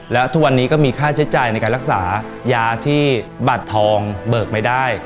และทุกวันนี้ก็มีค่าใช้จ่ายในการรักษายาที่บัตรทองเบิกไม่ได้